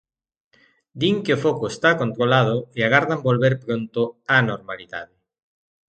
Din que o foco está controlado e agardan volver pronto á normalidade.